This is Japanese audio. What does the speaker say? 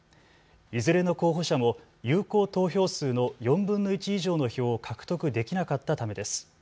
いずれの候補者も有効投票数の４分の１以上の票を獲得できなかったためです。